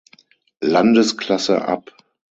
Landesklasse ab.